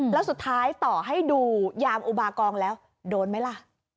แล้วสุดท้ายต่อให้ดูยามอุบากองแล้วโดนไหมล่ะ